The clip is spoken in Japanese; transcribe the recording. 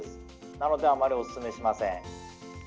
なので、あまりおすすめしません。